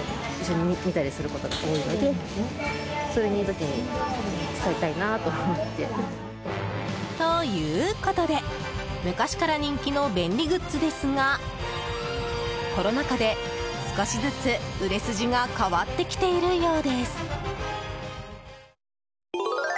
ベッドトレイ、１４９９円。ということで昔から人気の便利グッズですがコロナ禍で少しずつ、売れ筋が変わってきているようです。